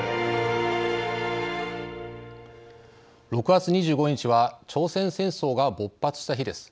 ６月２５日は朝鮮戦争が勃発した日です。